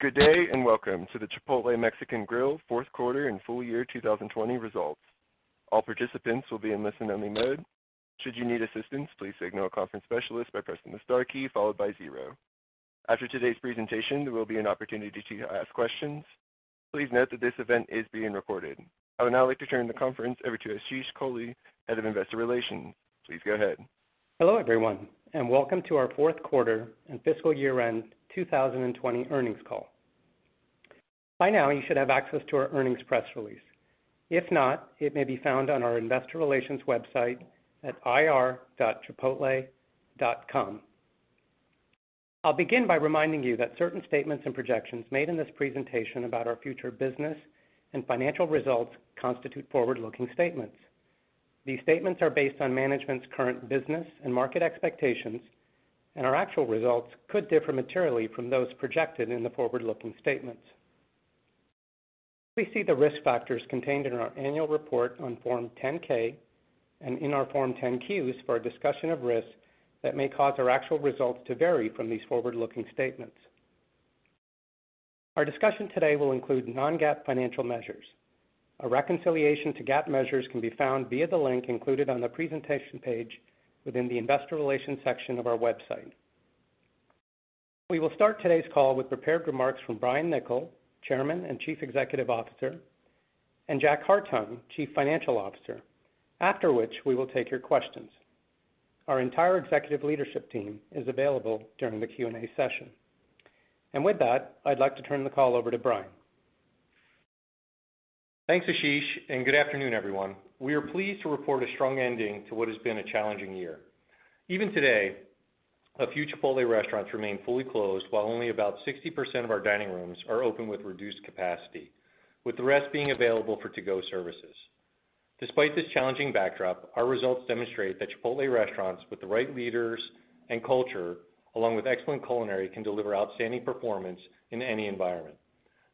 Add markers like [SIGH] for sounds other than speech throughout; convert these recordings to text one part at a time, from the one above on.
Good day, and welcome to the Chipotle Mexican Grill fourth quarter and full year 2020 results. All participants will be in listen only mode. Should you need assistance, please signal a conference specialist by pressing the star key followed by zero. After today's presentation, there will be an opportunity to ask questions. Please note that this event is being recorded. I would now like to turn the conference over to Ashish Kohli, Head of Investor Relations. Please go ahead. Hello, everyone, and welcome to our fourth quarter and fiscal year-end 2020 earnings call. By now, you should have access to our earnings press release. If not, it may be found on our investor relations website at ir.chipotle.com. I'll begin by reminding you that certain statements and projections made in this presentation about our future business and financial results constitute forward-looking statements. These statements are based on management's current business and market expectations, and our actual results could differ materially from those projected in the forward-looking statements. Please see the risk factors contained in our annual report on Form 10-K and in our Form 10-Qs for a discussion of risks that may cause our actual results to vary from these forward-looking statements. Our discussion today will include non-GAAP financial measures. A reconciliation to GAAP measures can be found via the link included on the presentation page within the investor relations section of our website. We will start today's call with prepared remarks from Brian Niccol, Chairman and Chief Executive Officer, and Jack Hartung, Chief Financial Officer, after which we will take your questions. Our entire executive leadership team is available during the Q&A session. With that, I'd like to turn the call over to Brian. Thanks, Ashish, and good afternoon, everyone. We are pleased to report a strong ending to what has been a challenging year. Even today, a few Chipotle restaurants remain fully closed, while only about 60% of our dining rooms are open with reduced capacity, with the rest being available for to-go services. Despite this challenging backdrop, our results demonstrate that Chipotle restaurants with the right leaders and culture, along with excellent culinary, can deliver outstanding performance in any environment.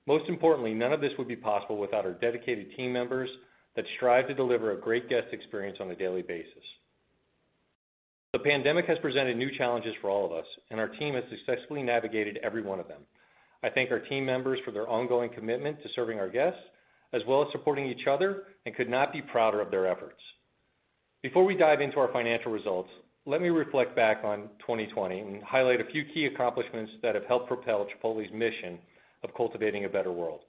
Most importantly, none of this would be possible without our dedicated team members that strive to deliver a great guest experience on a daily basis. The pandemic has presented new challenges for all of us. Our team has successfully navigated every one of them. I thank our team members for their ongoing commitment to serving our guests, as well as supporting each other. Could not be prouder of their efforts. Before we dive into our financial results, let me reflect back on 2020 and highlight a few key accomplishments that have helped propel Chipotle's mission of cultivating a better world.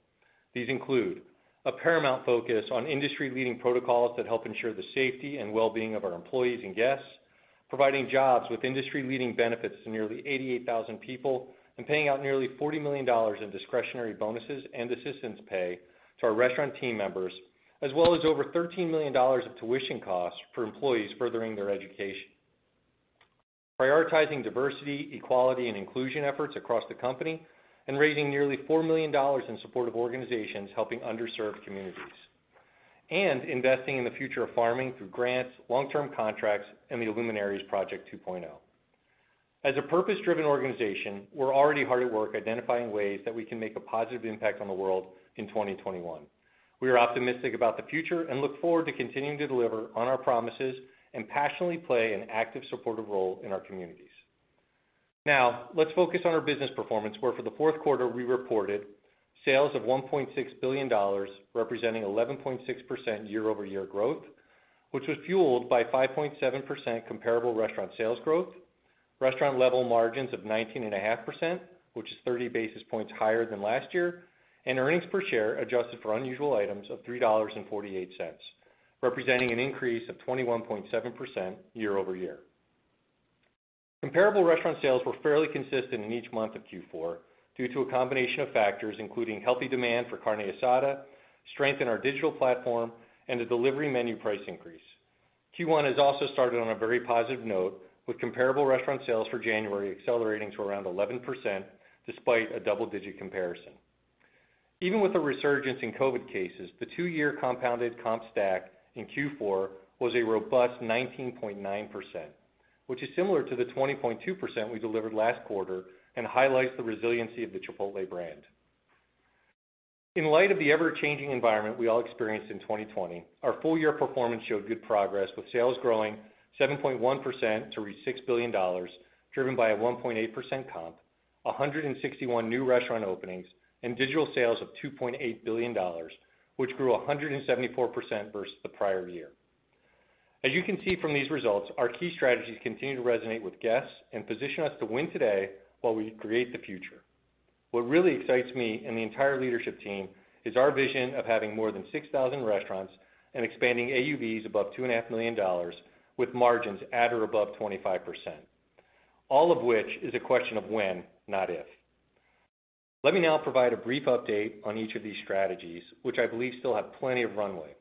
These include a paramount focus on industry-leading protocols that help ensure the safety and well-being of our employees and guests, providing jobs with industry-leading benefits to nearly 88,000 people, and paying out nearly $40 million in discretionary bonuses and assistance pay to our restaurant team members, as well as over $13 million of tuition costs for employees furthering their education. Prioritizing diversity, equality, and inclusion efforts across the company, raising nearly $4 million in support of organizations helping underserved communities. Investing in the future of farming through grants, long-term contracts, and the Aluminaries Project 2.0. As a purpose-driven organization, we're already hard at work identifying ways that we can make a positive impact on the world in 2021. We are optimistic about the future and look forward to continuing to deliver on our promises and passionately play an active supportive role in our communities. Now, let's focus on our business performance, where for the fourth quarter, we reported sales of $1.6 billion, representing 11.6% year-over-year growth, which was fueled by 5.7% comparable restaurant sales growth, restaurant level margins of 19.5%, which is 30 basis points higher than last year, and earnings per share adjusted for unusual items of $3.48, representing an increase of 21.7% year-over-year. Comparable restaurant sales were fairly consistent in each month of Q4 due to a combination of factors including healthy demand for carne asada, strength in our digital platform, and a delivery menu price increase. Q1 has also started on a very positive note with comparable restaurant sales for January accelerating to around 11% despite a double-digit comparison. Even with a resurgence in COVID cases, the two-year compounded comp stack in Q4 was a robust 19.9%, which is similar to the 20.2% we delivered last quarter and highlights the resiliency of the Chipotle brand. In light of the ever-changing environment we all experienced in 2020, our full year performance showed good progress with sales growing 7.1% to reach $6 billion, driven by a 1.8% comp, 161 new restaurant openings, and digital sales of $2.8 billion, which grew 174% versus the prior year. As you can see from these results, our key strategies continue to resonate with guests and position us to win today while we create the future. What really excites me and the entire leadership team is our vision of having more than 6,000 restaurants and expanding AUVs above $2.5 million with margins at or above 25%. All of which is a question of when, not if. Let me now provide a brief update on each of these strategies, which I believe still have plenty of runway.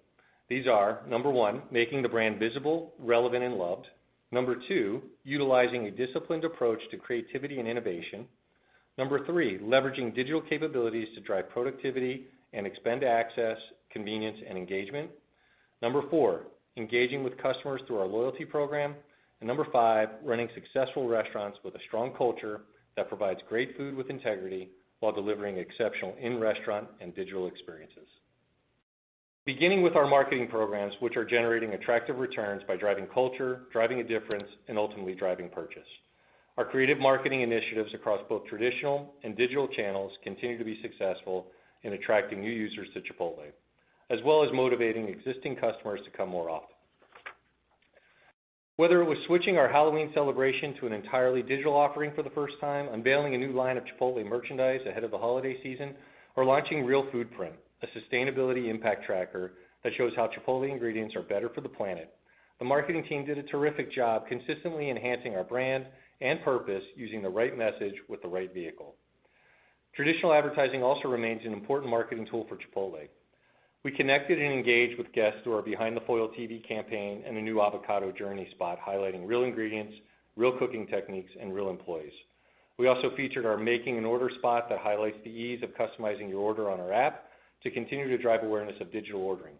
These are, number one, making the brand visible, relevant, and loved. Number two, utilizing a disciplined approach to creativity and innovation. Number three, leveraging digital capabilities to drive productivity and expand access, convenience, and engagement. Number four, engaging with customers through our loyalty program. Number five, running successful restaurants with a strong culture that provides great Food with Integrity while delivering exceptional in-restaurant and digital experiences. Beginning with our marketing programs, which are generating attractive returns by driving culture, driving a difference, and ultimately driving purchase. Our creative marketing initiatives across both traditional and digital channels continue to be successful in attracting new users to Chipotle, as well as motivating existing customers to come more often. Whether it was switching our Halloween celebration to an entirely digital offering for the first time, unveiling a new line of Chipotle merchandise ahead of the holiday season, or launching Real Foodprint, a sustainability impact tracker that shows how Chipotle ingredients are better for the planet, the marketing team did a terrific job consistently enhancing our brand and purpose using the right message with the right vehicle. Traditional advertising also remains an important marketing tool for Chipotle. We connected and engaged with guests through our Behind the Foil TV campaign and the new Avocado Journey spot, highlighting real ingredients, real cooking techniques, and real employees. We also featured our Making an Order spot that highlights the ease of customizing your order on our app to continue to drive awareness of digital ordering.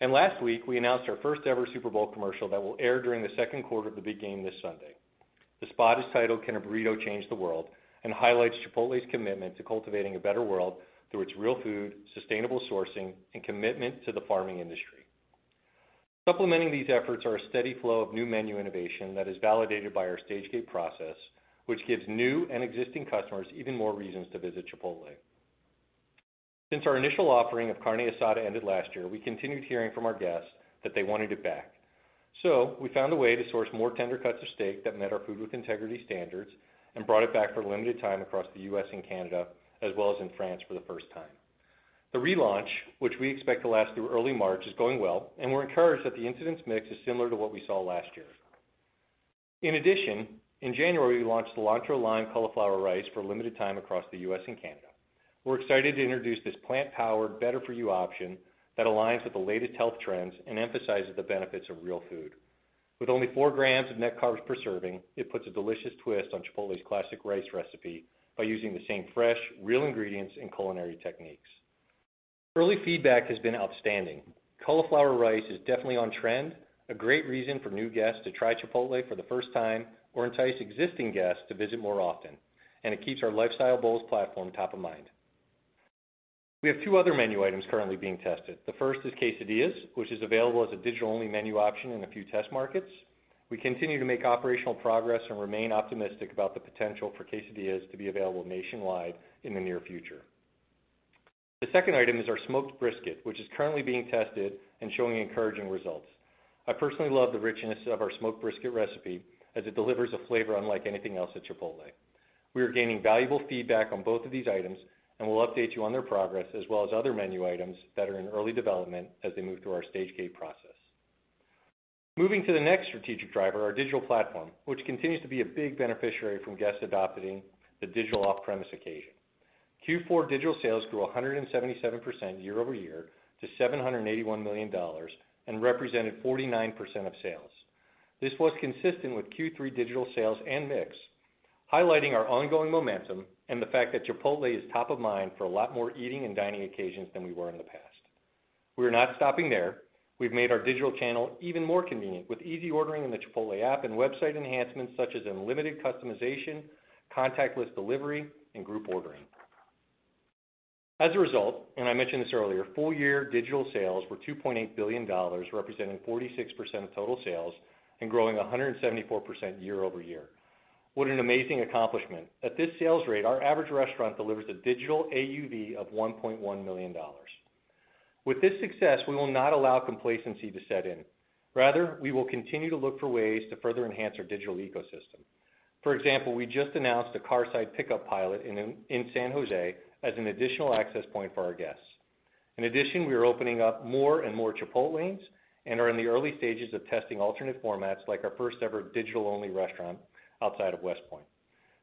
Last week, we announced our first ever Super Bowl commercial that will air during the second quarter of the big game this Sunday. The spot is titled, "Can a Burrito Change the World?" and highlights Chipotle's commitment to cultivating a better world through its real food, sustainable sourcing, and commitment to the farming industry. Supplementing these efforts are a steady flow of new menu innovation that is validated by our stage-gate process, which gives new and existing customers even more reasons to visit Chipotle. Since our initial offering of carne asada ended last year, we continued hearing from our guests that they wanted it back. We found a way to source more tender cuts of steak that met our food with integrity standards and brought it back for a limited time across the U.S. and Canada, as well as in France for the first time. The relaunch, which we expect to last through early March, is going well, and we're encouraged that the incidence mix is similar to what we saw last year. In addition, in January, we launched Cilantro Lime Cauliflower Rice for a limited time across the U.S. and Canada. We're excited to introduce this plant-powered, better for you option that aligns with the latest health trends and emphasizes the benefits of real food. With only four grams of net carbs per serving, it puts a delicious twist on Chipotle's classic rice recipe by using the same fresh, real ingredients and culinary techniques. Early feedback has been outstanding. Cauliflower rice is definitely on trend, a great reason for new guests to try Chipotle for the first time, or entice existing guests to visit more often, and it keeps our Lifestyle Bowls platform top of mind. We have two other menu items currently being tested. The first is quesadillas, which is available as a digital-only menu option in a few test markets. We continue to make operational progress and remain optimistic about the potential for quesadillas to be available nationwide in the near future. The second item is our smoked brisket, which is currently being tested and showing encouraging results. I personally love the richness of our smoked brisket recipe as it delivers a flavor unlike anything else at Chipotle. We are gaining valuable feedback on both of these items and will update you on their progress, as well as other menu items that are in early development as they move through our stage-gate process. Moving to the next strategic driver, our digital platform, which continues to be a big beneficiary from guests adopting the digital off-premise occasion. Q4 digital sales grew 177% year over year to $781 million and represented 49% of sales. This was consistent with Q3 digital sales and mix, highlighting our ongoing momentum and the fact that Chipotle is top of mind for a lot more eating and dining occasions than we were in the past. We are not stopping there. We've made our digital channel even more convenient with easy ordering in the Chipotle app and website enhancements such as unlimited customization, contactless delivery, and group ordering. As a result, and I mentioned this earlier, full year digital sales were $2.8 billion, representing 46% of total sales and growing 174% year over year. What an amazing accomplishment. At this sales rate, our average restaurant delivers a digital AUV of $1.1 million. With this success, we will not allow complacency to set in. Rather, we will continue to look for ways to further enhance our digital ecosystem. For example, we just announced a curbside pickup pilot in San Jose as an additional access point for our guests. In addition, we are opening up more and more Chipotlanes and are in the early stages of testing alternate formats like our first ever digital-only restaurant outside of West Point.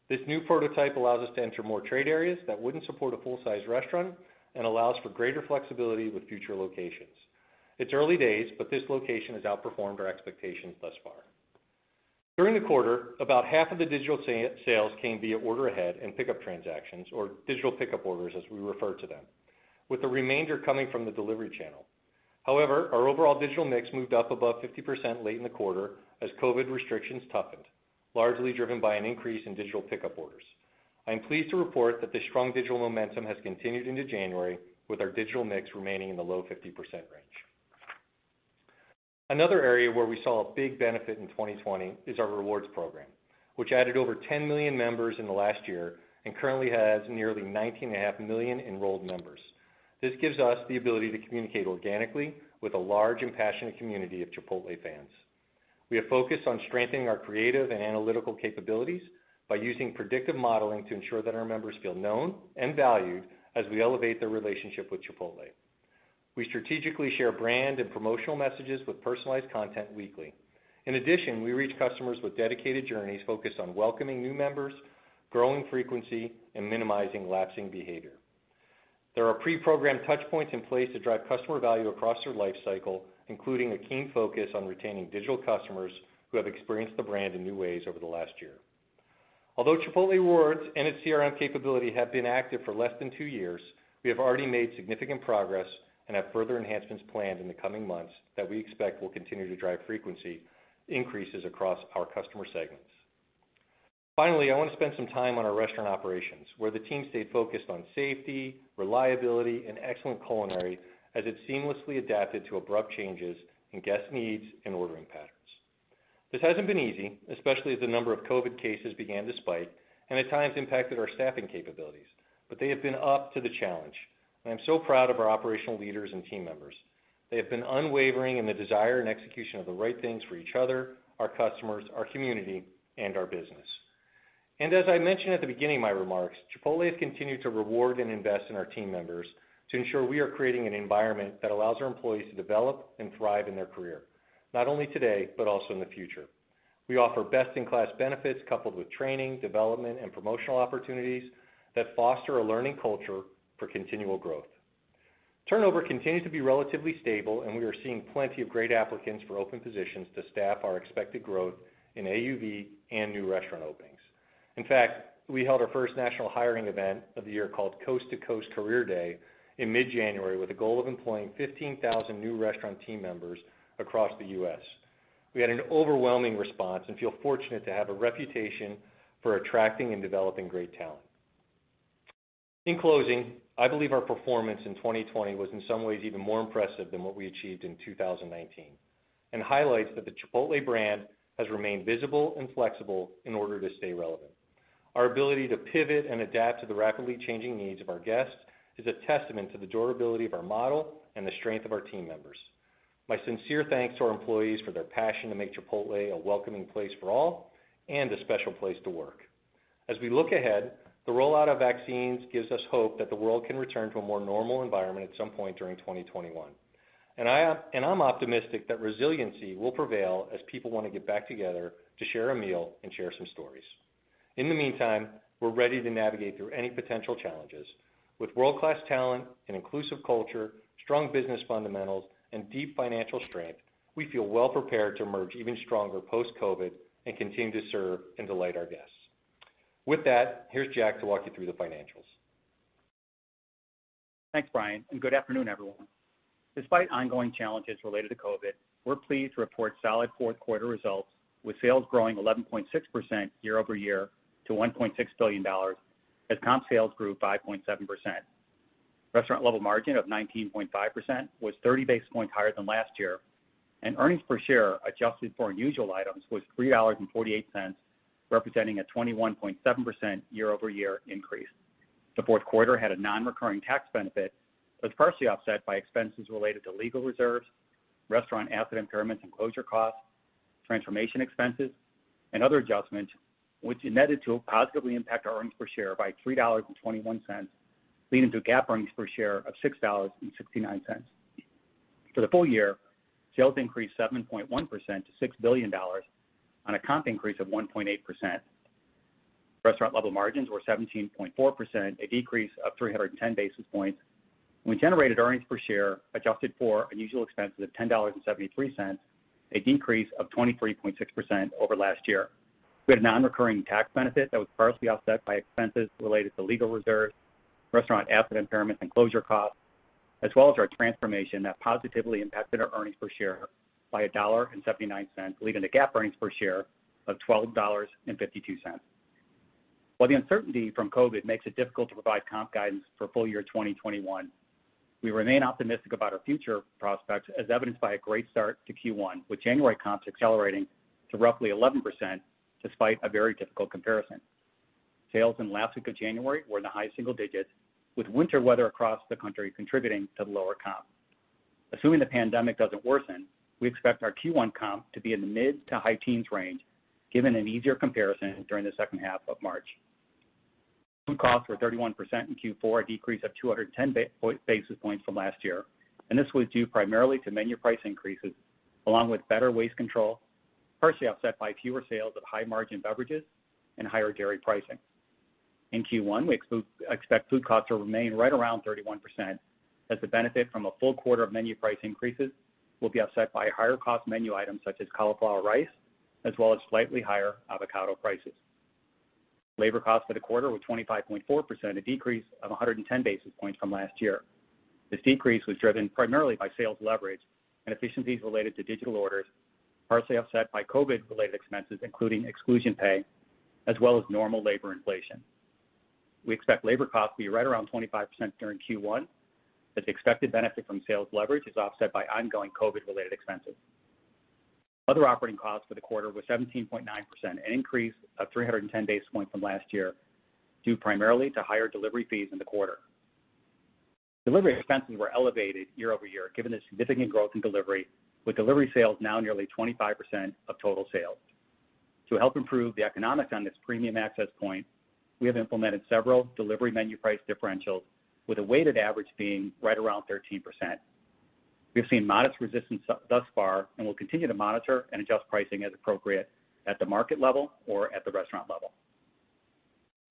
This new prototype allows us to enter more trade areas that wouldn't support a full-size restaurant and allows for greater flexibility with future locations. It's early days, but this location has outperformed our expectations thus far. During the quarter, about half of the digital sales came via order ahead and pickup transactions, or digital pickup orders as we refer to them, with the remainder coming from the delivery channel. However, our overall digital mix moved up above 50% late in the quarter as COVID restrictions toughened, largely driven by an increase in digital pickup orders. I am pleased to report that this strong digital momentum has continued into January with our digital mix remaining in the low 50% range. Another area where we saw a big benefit in 2020 is our Rewards program, which added over 10 million members in the last year and currently has nearly 19.5 million enrolled members. This gives us the ability to communicate organically with a large and passionate community of Chipotle fans. We are focused on strengthening our creative and analytical capabilities by using predictive modeling to ensure that our members feel known and valued as we elevate their relationship with Chipotle. We strategically share brand and promotional messages with personalized content weekly. In addition, we reach customers with dedicated journeys focused on welcoming new members, growing frequency, and minimizing lapsing behavior. There are pre-programmed touchpoints in place to drive customer value across their life cycle, including a keen focus on retaining digital customers who have experienced the brand in new ways over the last year. Although Chipotle Rewards and its CRM capability have been active for less than two years, we have already made significant progress and have further enhancements planned in the coming months that we expect will continue to drive frequency increases across our customer segments. I want to spend some time on our restaurant operations, where the team stayed focused on safety, reliability, and excellent culinary as it seamlessly adapted to abrupt changes in guest needs and ordering patterns. This hasn't been easy, especially as the number of COVID cases began to spike, and at times impacted our staffing capabilities. They have been up to the challenge. I am so proud of our operational leaders and team members. They have been unwavering in the desire and execution of the right things for each other, our customers, our community, and our business. As I mentioned at the beginning of my remarks, Chipotle has continued to reward and invest in our team members to ensure we are creating an environment that allows our employees to develop and thrive in their career, not only today, but also in the future. We offer best-in-class benefits coupled with training, development, and promotional opportunities that foster a learning culture for continual growth. Turnover continues to be relatively stable, and we are seeing plenty of great applicants for open positions to staff our expected growth in AUV and new restaurant openings. In fact, we held our first national hiring event of the year called Coast to Coast Career Day in mid-January with a goal of employing 15,000 new restaurant team members across the U.S. We had an overwhelming response and feel fortunate to have a reputation for attracting and developing great talent. In closing, I believe our performance in 2020 was in some ways even more impressive than what we achieved in 2019, and highlights that the Chipotle brand has remained visible and flexible in order to stay relevant. Our ability to pivot and adapt to the rapidly changing needs of our guests is a testament to the durability of our model and the strength of our team members. My sincere thanks to our employees for their passion to make Chipotle a welcoming place for all and a special place to work. As we look ahead, the rollout of vaccines gives us hope that the world can return to a more normal environment at some point during 2021. I'm optimistic that resiliency will prevail as people want to get back together to share a meal and share some stories. In the meantime, we're ready to navigate through any potential challenges. With world-class talent, an inclusive culture, strong business fundamentals, and deep financial strength, we feel well prepared to emerge even stronger post-COVID and continue to serve and delight our guests. With that, here's Jack to walk you through the financials. Thanks, Brian, and good afternoon, everyone. Despite ongoing challenges related to COVID, we're pleased to report solid fourth quarter results with sales growing 11.6% year-over-year to $1.6 billion, as comp sales grew 5.7%. Restaurant level margin of 19.5% was 30 basis points higher than last year, and earnings per share adjusted for unusual items was $3.48, representing a 21.7% year-over-year increase. The fourth quarter had a non-recurring tax benefit that was partially offset by expenses related to legal reserves, restaurant asset impairments and closure costs, transformation expenses, and other adjustments, which netted to positively impact our earnings per share by $3.21, leading to GAAP earnings per share of $6.69. For the full year, sales increased 7.1% to $6 billion on a comp increase of 1.8%. Restaurant level margins were 17.4%, a decrease of 310 basis points. We generated earnings per share adjusted for unusual expenses of $10.73, a decrease of 23.6% over last year. We had a non-recurring tax benefit that was partially offset by expenses related to legal reserves, restaurant asset impairments and closure costs, as well as our transformation that positively impacted our earnings per share by $1.79, leading to GAAP earnings per share of $12.52. While the uncertainty from COVID makes it difficult to provide comp guidance for full year 2021, we remain optimistic about our future prospects as evidenced by a great start to Q1, with January comps accelerating to roughly 11% despite a very difficult comparison. Sales in the last week of January were in the high single digits, with winter weather across the country contributing to the lower comps. Assuming the pandemic doesn't worsen, we expect our Q1 comp to be in the mid to high teens range, given an easier comparison during the second half of March. Food costs were 31% in Q4, a decrease of 210 basis points from last year, this was due primarily to menu price increases, along with better waste control, partially offset by fewer sales of high margin beverages and higher dairy pricing. In Q1, we expect food costs to remain right around 31% as the benefit from a full quarter of menu price increases will be offset by higher cost menu items such as Cauliflower Rice, as well as slightly higher avocado prices. Labor costs for the quarter were 25.4%, a decrease of 110 basis points from last year. This decrease was driven primarily by sales leverage and efficiencies related to digital orders, partially offset by COVID-related expenses, including exclusion pay, as well as normal labor inflation. We expect labor costs to be right around 25% during Q1, as expected benefit from sales leverage is offset by ongoing COVID-related expenses. Other operating costs for the quarter were 17.9%, an increase of 310 basis points from last year, due primarily to higher delivery fees in the quarter. Delivery expenses were elevated year-over-year given the significant growth in delivery, with delivery sales now nearly 25% of total sales. To help improve the economics on this premium access point, we have implemented several delivery menu price differentials with a weighted average being right around 13%. We have seen modest resistance thus far and will continue to monitor and adjust pricing as appropriate at the market level or at the restaurant level.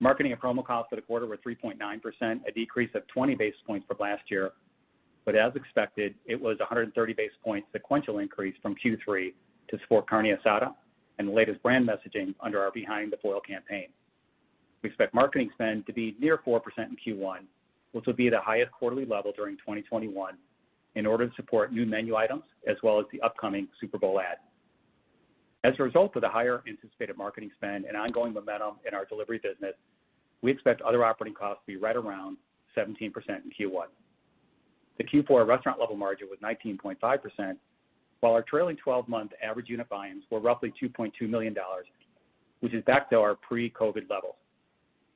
Marketing and promo costs for the quarter were 3.9%, a decrease of 20 basis points from last year. As expected, it was a 130 basis point sequential increase from Q3 to support carne asada and the latest brand messaging under our Behind the Foil campaign. We expect marketing spend to be near 4% in Q1, which will be the highest quarterly level during 2021, in order to support new menu items as well as the upcoming Super Bowl ad. As a result of the higher anticipated marketing spend and ongoing momentum in our delivery business, we expect other operating costs to be right around 17% in Q1. The Q4 restaurant level margin was 19.5%, while our trailing 12-month Average Unit Volumes were roughly $2.2 million, which is back to our pre-COVID levels.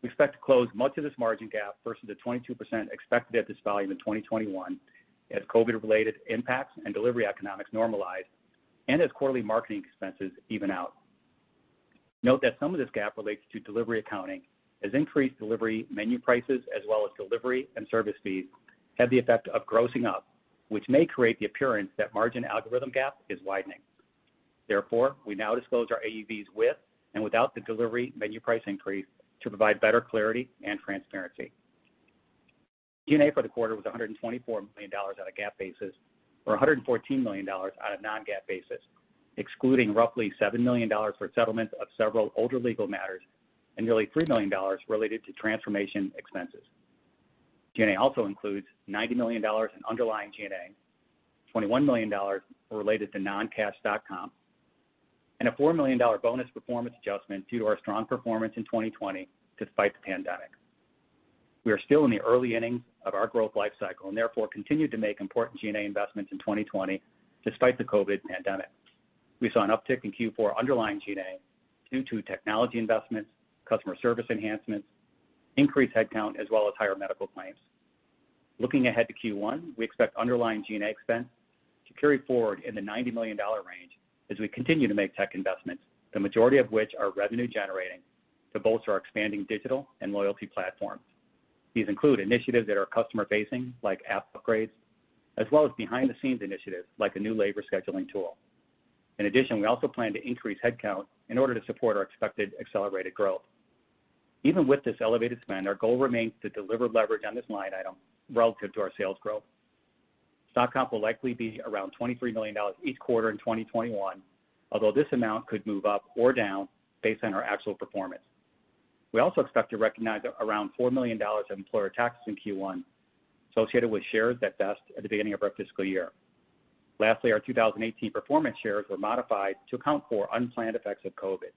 We expect to close much of this margin gap versus the 22% expected at this volume in 2021, as COVID-related impacts and delivery economics normalize and as quarterly marketing expenses even out. Note that some of this gap relates to delivery accounting, as increased delivery menu prices as well as delivery and service fees had the effect of grossing up, which may create the appearance that margin algorithm gap is widening. We now disclose our AUVs with and without the delivery menu price increase to provide better clarity and transparency. G&A for the quarter was $124 million on a GAAP basis or $114 million on a non-GAAP basis, excluding roughly $7 million for settlement of several older legal matters and nearly $3 million related to transformation expenses. G&A also includes $90 million in underlying G&A, $21 million related to non-cash stock comp, and a $4 million bonus performance adjustment due to our strong performance in 2020 despite the pandemic. We are still in the early innings of our growth life cycle, and therefore, continued to make important G&A investments in 2020 despite the COVID pandemic. We saw an uptick in Q4 underlying G&A due to technology investments, customer service enhancements, increased headcount, as well as higher medical claims. Looking ahead to Q1, we expect underlying G&A expense to carry forward in the $90 million range as we continue to make tech investments, the majority of which are revenue generating, to bolster our expanding digital and loyalty platforms. These include initiatives that are customer facing, like app upgrades, as well as behind-the-scenes initiatives like a new labor scheduling tool. In addition, we also plan to increase headcount in order to support our expected accelerated growth. Even with this elevated spend, our goal remains to deliver leverage on this line item relative to our sales growth. Stock comp will likely be around $23 million each quarter in 2021, although this amount could move up or down based on our actual performance. We also expect to recognize around $4 million of employer taxes in Q1 associated with shares that vest at the beginning of our fiscal year. Lastly, our 2018 performance shares were modified to account for unplanned effects of COVID.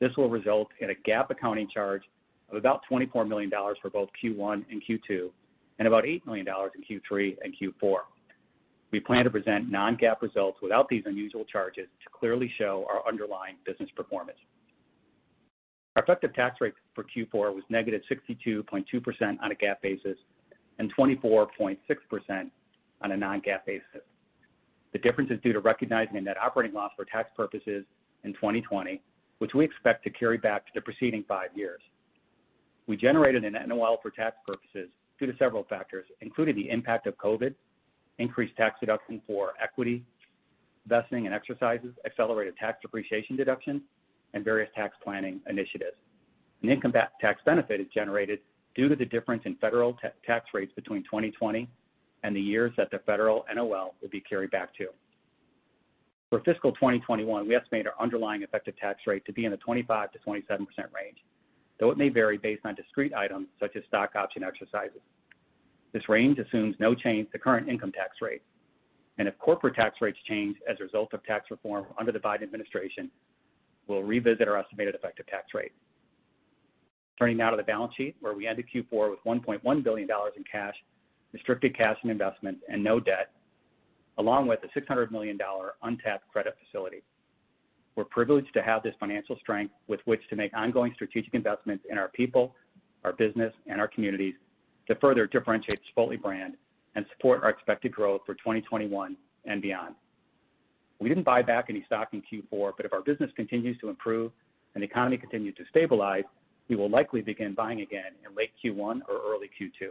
This will result in a GAAP accounting charge of about $24 million for both Q1 and Q2, and about $8 million in Q3 and Q4. We plan to present non-GAAP results without these unusual charges to clearly show our underlying business performance. Our effective tax rate for Q4 was -62.2% on a GAAP basis and 24.6% on a non-GAAP basis. The difference is due to recognizing a net operating loss for tax purposes in 2020, which we expect to carry back to the preceding five years. We generated a NOL for tax purposes due to several factors, including the impact of COVID, increased tax deduction for equity vesting and exercises, accelerated tax depreciation deduction, and various tax planning initiatives. An income tax benefit is generated due to the difference in federal tax rates between 2020 and the years that the federal NOL will be carried back to. For fiscal 2021, we estimate our underlying effective tax rate to be in the 25%-27% range, though it may vary based on discrete items such as stock option exercises. This range assumes no change to current income tax rate. If corporate tax rates change as a result of tax reform under the Biden administration, we'll revisit our estimated effective tax rate. Turning now to the balance sheet, where we ended Q4 with $1.1 billion in cash, restricted cash and investments and no debt, along with a $600 million untapped credit facility. We're privileged to have this financial strength with which to make ongoing strategic investments in our people, our business, and our communities to further differentiate Chipotle brand and support our expected growth for 2021 and beyond. We didn't buy back any stock in Q4, but if our business continues to improve and the economy continues to stabilize, we will likely begin buying again in late Q1 or early Q2.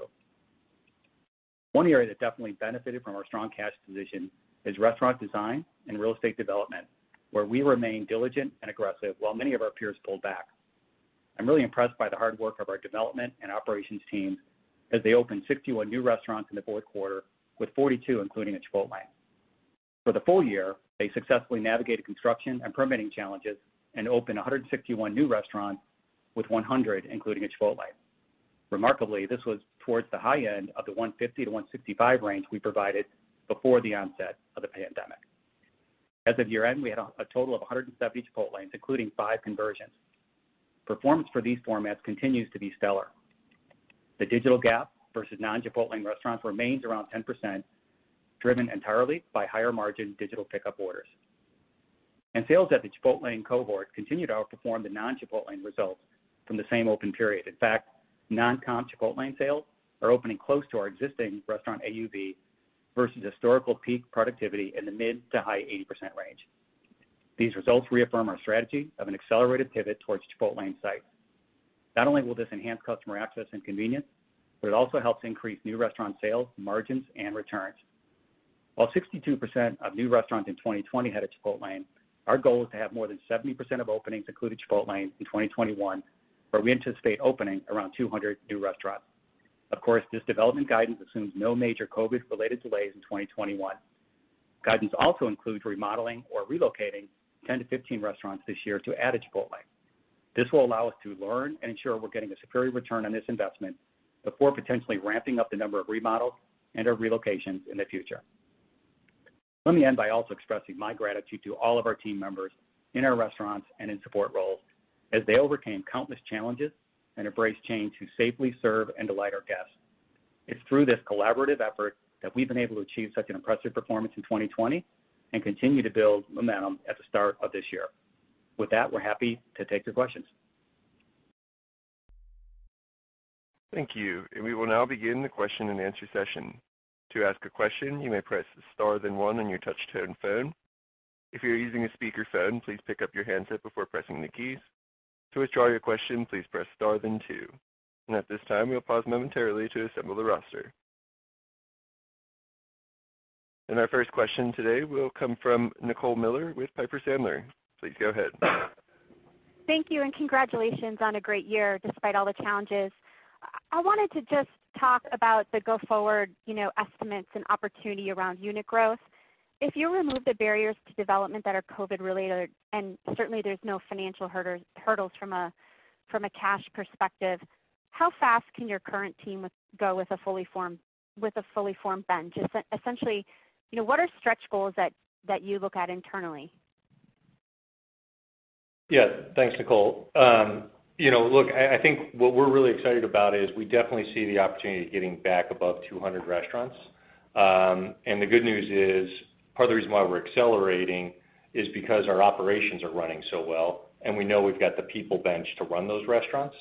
One area that definitely benefited from our strong cash position is restaurant design and real estate development, where we remain diligent and aggressive while many of our peers pulled back. I'm really impressed by the hard work of our development and operations teams as they opened 61 new restaurants in the fourth quarter, with 42 including a Chipotlane. For the full year, they successfully navigated construction and permitting challenges and opened 161 new restaurants, with 100 including a Chipotlane. Remarkably, this was towards the high end of the 150-165 range we provided before the onset of the pandemic. As of year-end, we had a total of 170 Chipotlanes, including five conversions. Performance for these formats continues to be stellar. The digital gap versus non-Chipotlane restaurants remains around 10%, driven entirely by higher margin digital pickup orders. Sales at the Chipotlane cohort continue to outperform the non-Chipotlane results from the same open period. In fact, non-comp Chipotlane sales are opening close to our existing restaurant AUV versus historical peak productivity in the mid to high 80% range. These results reaffirm our strategy of an accelerated pivot towards Chipotlane sites. Not only will this enhance customer access and convenience, but it also helps increase new restaurant sales, margins, and returns. While 62% of new restaurants in 2020 had a Chipotlane, our goal is to have more than 70% of openings include a Chipotlane in 2021, where we anticipate opening around 200 new restaurants. Of course, this development guidance assumes no major COVID-related delays in 2021. Guidance also includes remodeling or relocating 10-15 restaurants this year to add a Chipotlane. This will allow us to learn and ensure we're getting a superior return on this investment before potentially ramping up the number of remodels and/or relocations in the future. Let me end by also expressing my gratitude to all of our team members in our restaurants and in support roles, as they overcame countless challenges and embraced change to safely serve and delight our guests. It's through this collaborative effort that we've been able to achieve such an impressive performance in 2020 and continue to build momentum at the start of this year. With that, we're happy to take your questions. Our first question today will come from Nicole Miller with Piper Sandler. Please go ahead. Thank you. Congratulations on a great year, despite all the challenges. I wanted to just talk about the go forward estimates and opportunity around unit growth. If you remove the barriers to development that are COVID related, and certainly there's no financial hurdles from a cash perspective, how fast can your current team go with a fully formed bench? Essentially, what are stretch goals that you look at internally? Yeah. Thanks, Nicole. Look, I think what we're really excited about is we definitely see the opportunity to getting back above 200 restaurants. The good news is, part of the reason why we're accelerating is because our operations are running so well, and we know we've got the people bench to run those restaurants.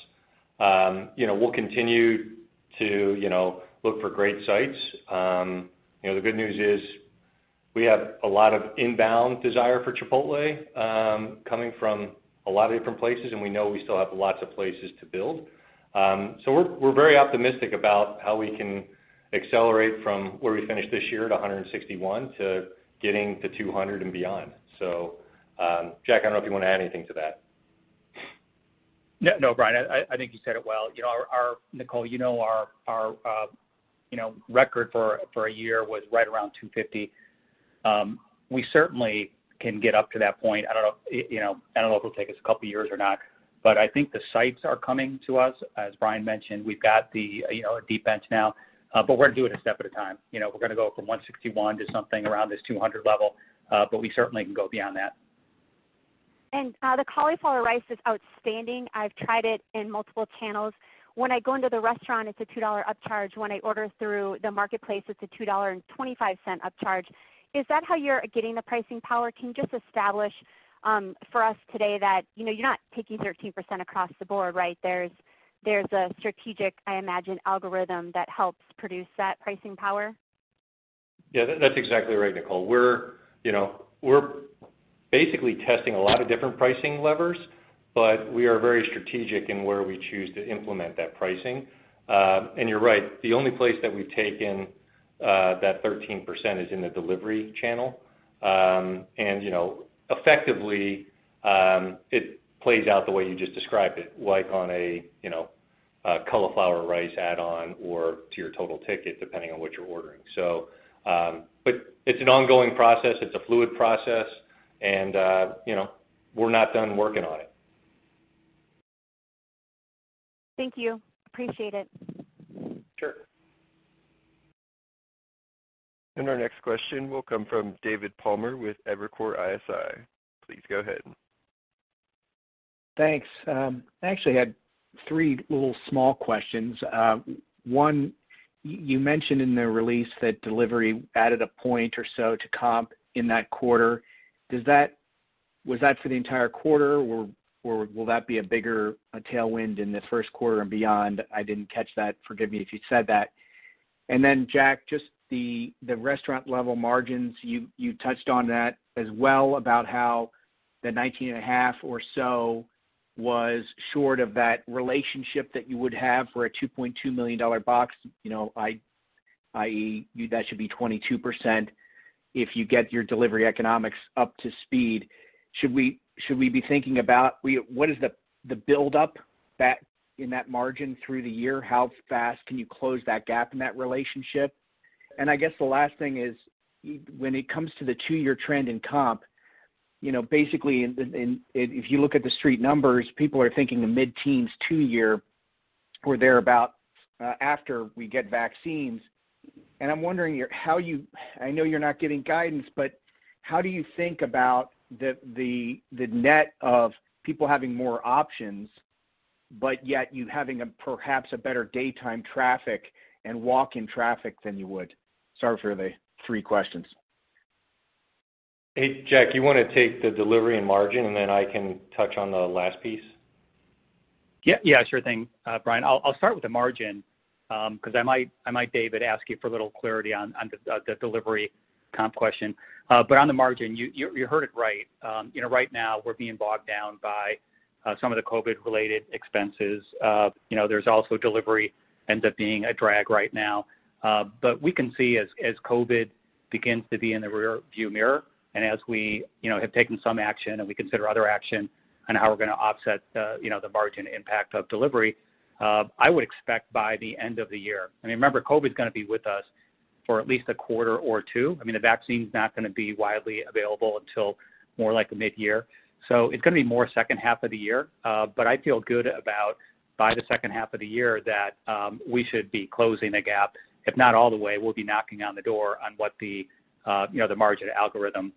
We'll continue to look for great sites. The good news is we have a lot of inbound desire for Chipotle, coming from a lot of different places, and we know we still have lots of places to build. We're very optimistic about how we can accelerate from where we finish this year at 161 to getting to 200 and beyond. Jack, I don't know if you want to add anything to that. No, Brian, I think you said it well. Nicole, you know our record for a year was right around 250. We certainly can get up to that point. I don't know if it'll take us a couple of years or not, I think the sites are coming to us. As Brian mentioned, we've got a deep bench now. We're going to do it a step at a time. We're going to go from 161 to something around this 200 level. We certainly can go beyond that. The Cauliflower Rice is outstanding. I've tried it in multiple channels. When I go into the restaurant, it's a $2 upcharge. When I order through the marketplace, it's a $2.25 upcharge. Is that how you're getting the pricing power? Can you just establish for us today that you're not taking 13% across the board, right? There's a strategic, I imagine, algorithm that helps produce that pricing power. Yeah, that's exactly right, Nicole. We're basically testing a lot of different pricing levers, but we are very strategic in where we choose to implement that pricing. You're right, the only place that we've taken that 13% is in the delivery channel. Effectively, it plays out the way you just described it, like on a Cauliflower Rice add-on or to your total ticket, depending on what you're ordering. It's an ongoing process. It's a fluid process. We're not done working on it. Thank you. Appreciate it. Sure. Our next question will come from David Palmer with Evercore ISI. Please go ahead. Thanks. I actually had three little small questions. One, you mentioned in the release that delivery added a point or so to comp in that quarter. Was that for the entire quarter, or will that be a bigger tailwind in the first quarter and beyond? I didn't catch that. Forgive me if you said that. Jack, just the restaurant level margins, you touched on that as well, about how the 19.5% or so was short of that relationship that you would have for a $2.2 million box, i.e., that should be 22% if you get your delivery economics up to speed. Should we be thinking about what is the buildup in that margin through the year? How fast can you close that gap in that relationship? I guess the last thing is, when it comes to the two-year trend in comp, basically, if you look at the Street numbers, people are thinking the mid-teens two-year or thereabout after we get vaccines. I'm wondering, I know you're not giving guidance, but how do you think about the net of people having more options, but yet you having perhaps a better daytime traffic and walk-in traffic than you would? Sorry for the three questions. Hey, Jack, you want to take the delivery and margin, and then I can touch on the last piece? Yeah, sure thing. Brian, I'll start with the margin, because I might, David, ask you for a little clarity on the delivery comp question. On the margin, you heard it right. Right now, we're being bogged down by some of the COVID related expenses. There's also delivery ends up being a drag right now. We can see as COVID begins to be in the rear view mirror, and as we have taken some action and we consider other action on how we're going to offset the margin impact of delivery, I would expect by the end of the year. Remember, COVID's going to be with us for at least a quarter or two. The vaccine's not going to be widely available until more like mid-year. It's going to be more second half of the year. I feel good about by the second half of the year that we should be closing the gap. If not all the way, we'll be knocking on the door on what the margin algorithm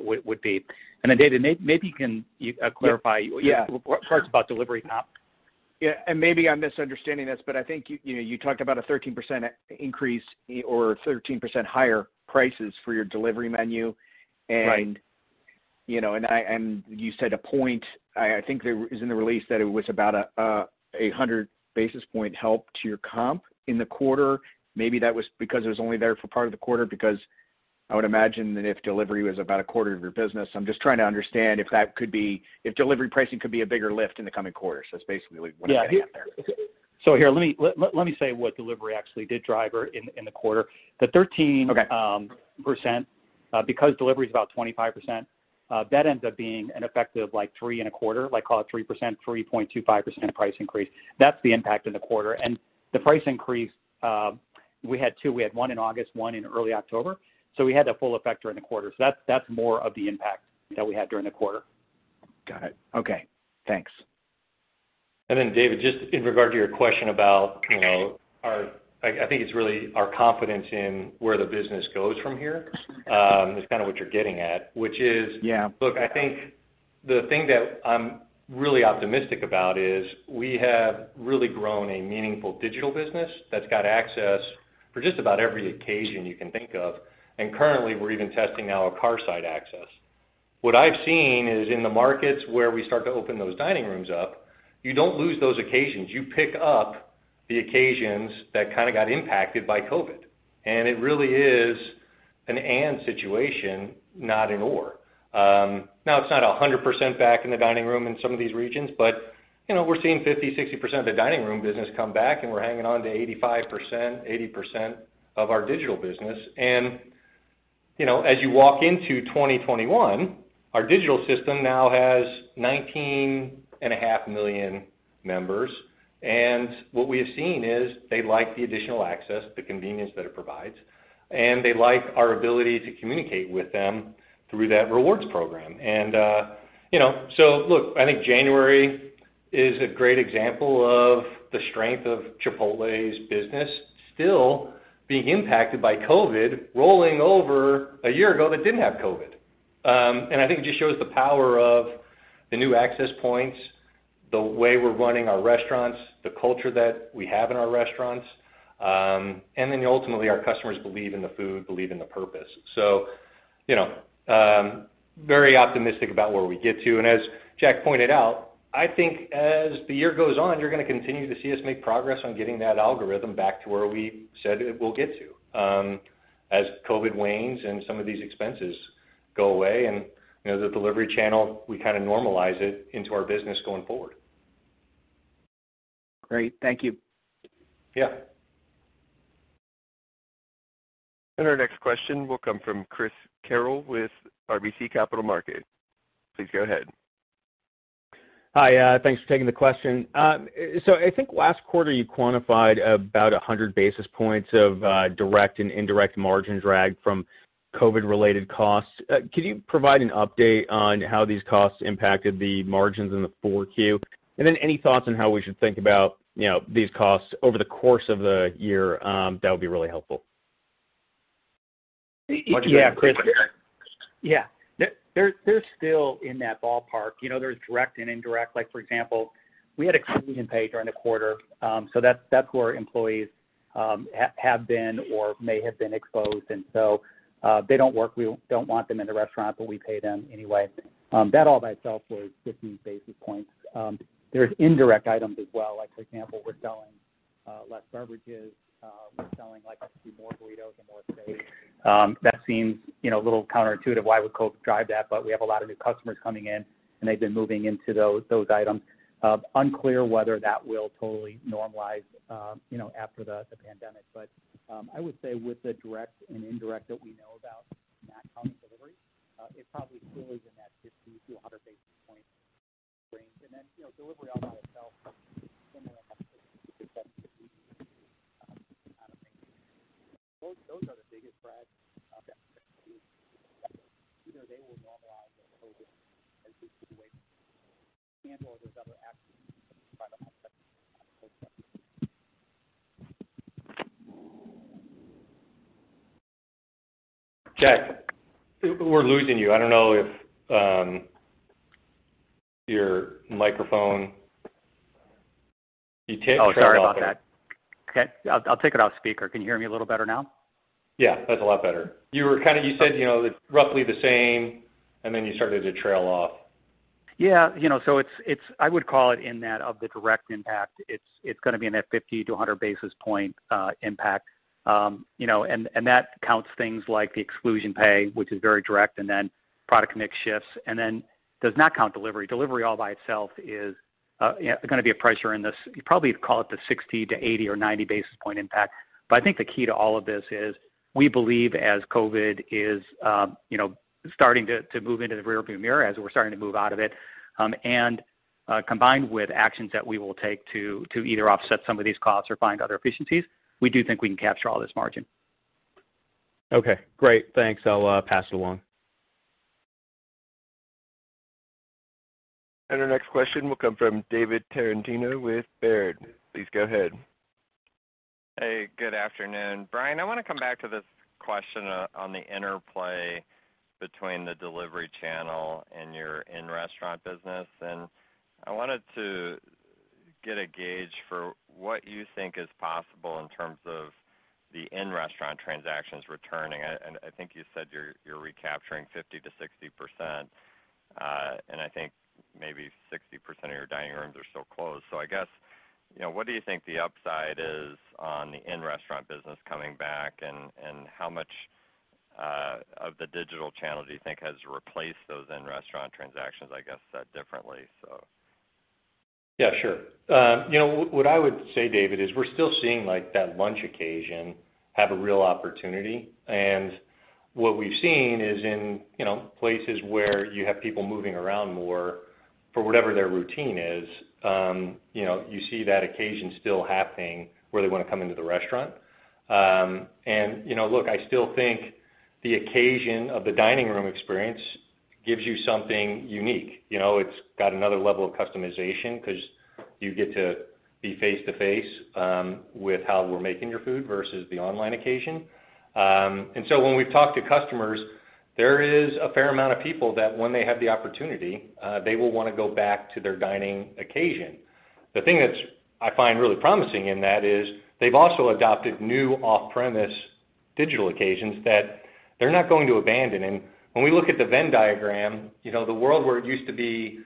would be. David, maybe you can clarify. Yeah, sure. What parts about delivery comp? Yeah, maybe I'm misunderstanding this, but I think you talked about a 13% increase or 13% higher prices for your delivery menu. Right. You said a point, I think it was in the release that it was about a 100 basis point help to your comp in the quarter. Maybe that was because it was only there for part of the quarter, because I would imagine that if delivery was about a quarter of your business, I'm just trying to understand if delivery pricing could be a bigger lift in the coming quarter. That's basically what I'm getting at there. Here, let me say what delivery actually did drive in the quarter. The 13%. Okay. Because delivery is about 25%, that ends up being an effective three and a quarter, call it 3%, 3.25% price increase. That's the impact in the quarter. The price increase, we had two. We had one in August, one in early October, we had the full effect during the quarter. That's more of the impact that we had during the quarter. Got it. Okay, thanks. David, just in regard to your question about our, I think it's really our confidence in where the business goes from here, is kind of what you're getting at. Yeah. Look, I think the thing that I'm really optimistic about is we have really grown a meaningful digital business that's got access for just about every occasion you can think of. Currently, we're even testing out a car side access. What I've seen is in the markets where we start to open those dining rooms up, you don't lose those occasions. You pick up the occasions that kind of got impacted by COVID, and it really is an and situation, not an or. Now it's not 100% back in the dining room in some of these regions, but we're seeing 50%-60% of the dining room business come back and we're hanging on to 80%-85% of our digital business. As you walk into 2021, our digital system now has 19.5 million members. What we have seen is they like the additional access, the convenience that it provides, and they like our ability to communicate with them through that rewards program. Look, I think January is a great example of the strength of Chipotle's business still being impacted by COVID, rolling over a year ago that didn't have COVID. I think it just shows the power of the new access points, the way we're running our restaurants, the culture that we have in our restaurants. Ultimately, our customers believe in the food, believe in the purpose. Very optimistic about where we get to. As Jack pointed out, I think as the year goes on, you're going to continue to see us make progress on getting that algorithm back to where we said it will get to. As COVID wanes and some of these expenses go away and the delivery channel, we kind of normalize it into our business going forward. Great. Thank you. Yeah. Our next question will come from Chris Carril with RBC Capital Markets. Please go ahead. Hi. Thanks for taking the question. I think last quarter you quantified about 100 basis points of direct and indirect margin drag from COVID-related costs. Can you provide an update on how these costs impacted the margins in the 4Q? Then any thoughts on how we should think about these costs over the course of the year, that would be really helpful. Yeah, Chris. [AUDIO DISTORTION] Yeah. They're still in that ballpark. There's direct and indirect. Like for example, we had [AUDIO DISTORTION] million pay during the quarter. That's where employees have been or may have been exposed. They don't work, we don't want them in the restaurant, but we pay them anyway. That all by itself was 50 basis points. There's indirect items as well. Like, for example, we're selling less beverages. We're selling a few more burritos and more steak. That seems a little counterintuitive why we drive that, but we have a lot of new customers coming in and they've been moving into those items. Unclear whether that will totally normalize after the pandemic. I would say with the direct and indirect that we know about, not counting delivery, it probably still is in that 50-100 basis points range. Delivery all by itself, similar. Those are the biggest drags. [AUDIO DISTORTION] normalize as COVID, as this situation and/or there's other actions. [AUDIO DISTORTION] Jack, we're losing you. I don't know if your microphone. You tail off there. Oh, sorry about that. Okay. I'll take it off speaker. Can you hear me a little better now? Yeah, that's a lot better. You said roughly the same, and then you started to trail off. I would call it in that of the direct impact, it's going to be in that 50-100 basis point impact. That counts things like the exclusion pay, which is very direct, and then product mix shifts, and then does not count delivery. Delivery all by itself is going to be a pressure in this, you probably call it the 60-80 or 90 basis point impact. I think the key to all of this is we believe as COVID is starting to move into the rear view mirror, as we're starting to move out of it, and combined with actions that we will take to either offset some of these costs or find other efficiencies, we do think we can capture all this margin. Okay, great. Thanks. I'll pass it along. Our next question will come from David Tarantino with Baird. Please go ahead. Hey, good afternoon. Brian, I want to come back to this question on the interplay between the delivery channel and your in-restaurant business. I wanted to get a gauge for what you think is possible in terms of the in-restaurant transactions returning. I think you said you're recapturing 50%-60%, and I think maybe 60% of your dining rooms are still closed. I guess, what do you think the upside is on the in-restaurant business coming back, and how much of the digital channel do you think has replaced those in-restaurant transactions, I guess, said differently? Yeah, sure. What I would say, David, is we're still seeing that lunch occasion have a real opportunity. What we've seen is in places where you have people moving around more for whatever their routine is, you see that occasion still happening where they want to come into the restaurant. Look, I still think the occasion of the dining room experience gives you something unique. It's got another level of customization because you get to be face-to-face with how we're making your food versus the online occasion. When we've talked to customers, there is a fair amount of people that when they have the opportunity, they will want to go back to their dining occasion. The thing that I find really promising in that is they've also adopted new off-premise digital occasions that they're not going to abandon. When we look at the Venn diagram, the world where it used to be,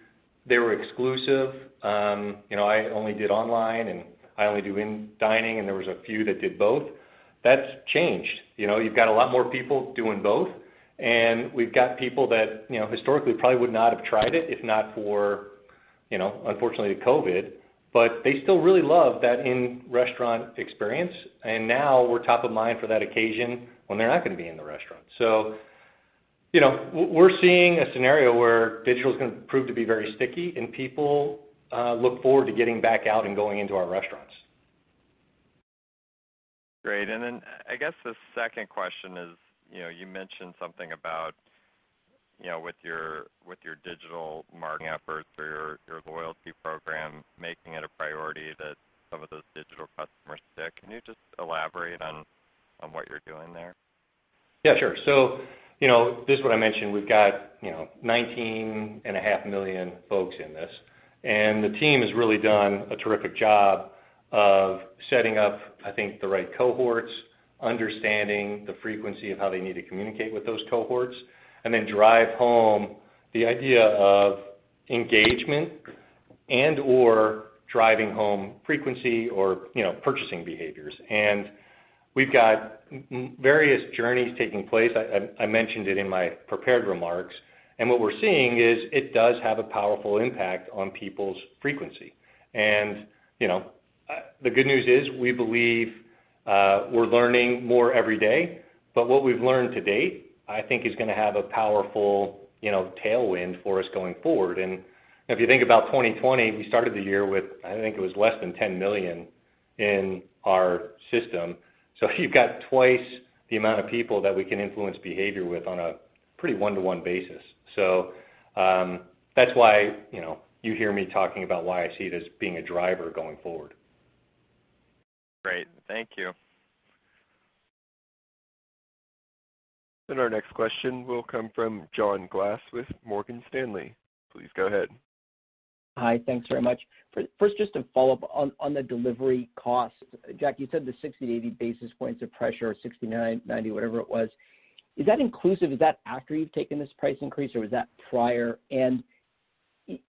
they were exclusive. I only did online, and I only do in dining, and there was a few that did both. That's changed. You've got a lot more people doing both, and we've got people that historically probably would not have tried it if not for, unfortunately, COVID, but they still really love that in-restaurant experience. Now we're top of mind for that occasion when they're not going to be in the restaurant. We're seeing a scenario where digital is going to prove to be very sticky, and people look forward to getting back out and going into our restaurants. Great. I guess the second question is, you mentioned something about with your digital marketing efforts or your loyalty program, making it a priority that some of those digital customers stick. Can you just elaborate on what you're doing there? Yeah, sure. This is what I mentioned. We've got 19.5 million folks in this, and the team has really done a terrific job of setting up, I think, the right cohorts, understanding the frequency of how they need to communicate with those cohorts, and then drive home the idea of engagement and/or driving home frequency or purchasing behaviors. We've got various journeys taking place. I mentioned it in my prepared remarks, and what we're seeing is it does have a powerful impact on people's frequency. The good news is we believe we're learning more every day. What we've learned to date, I think, is going to have a powerful tailwind for us going forward. If you think about 2020, we started the year with, I think it was less than 10 million in our system. You've got twice the amount of people that we can influence behavior with on a pretty one-to-one basis. That's why you hear me talking about why I see it as being a driver going forward. Great. Thank you. Our next question will come from John Glass with Morgan Stanley. Please go ahead. Hi. Thanks very much. First, just to follow up on the delivery cost. Jack, you said the 60, 80 basis points of pressure, 69, 90, whatever it was. Is that inclusive? Is that after you've taken this price increase, or was that prior? When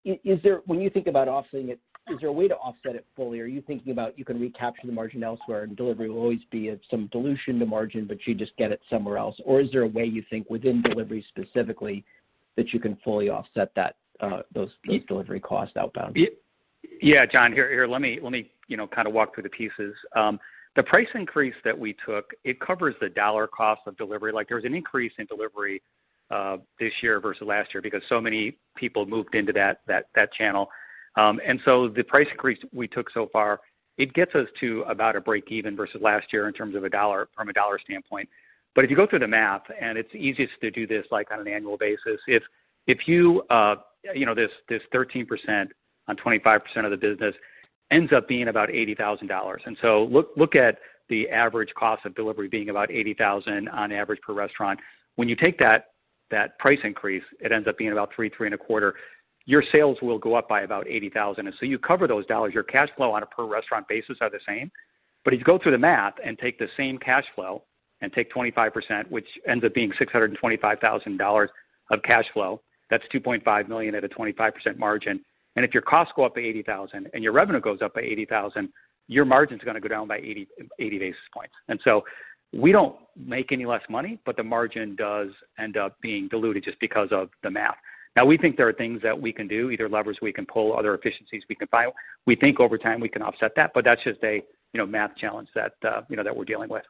you think about offsetting it, is there a way to offset it fully, or are you thinking about you can recapture the margin elsewhere and delivery will always be of some dilution to margin, but you just get it somewhere else? Is there a way you think within delivery specifically that you can fully offset those delivery costs outbound? Yeah, John. Here let me kind of walk through the pieces. The price increase that we took, it covers the dollar cost of delivery. There was an increase in delivery this year versus last year because so many people moved into that channel. The price increase we took so far, it gets us to about a break even versus last year in terms of a dollar from a dollar standpoint. If you go through the math, and it's easiest to do this, on an annual basis. This 13% on 25% of the business ends up being about $80,000. Look at the average cost of delivery being about $80,000 on average per restaurant. When you take that price increase, it ends up being about 3%, 3.25%. Your sales will go up by about $80,000. You cover those dollars. Your cash flow on a per restaurant basis are the same. If you go through the math and take the same cash flow and take 25%, which ends up being $625,000 of cash flow, that's $2.5 million at a 25% margin. If your costs go up by $80,000 and your revenue goes up by $80,000, your margin is going to go down by 80 basis points. We don't make any less money, but the margin does end up being diluted just because of the math. Now, we think there are things that we can do, either levers we can pull, other efficiencies we can find. We think over time we can offset that, but that's just a math challenge that we're dealing with.